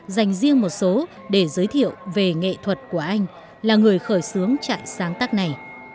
dành riêng một số để giới thiệu về nghệ thuật của anh là người khởi xướng trại sáng tác này